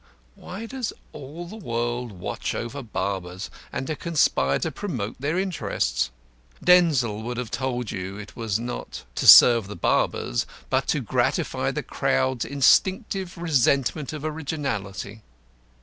Why does all the world watch over barbers and conspire to promote their interests? Denzil would have told you it was not to serve the barbers, but to gratify the crowd's instinctive resentment of originality.